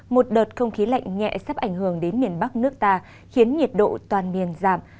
một đợt không khí lạnh nhẹ sắp ảnh hưởng đến miền bắc nước ta khiến nhiệt độ toàn miền giảm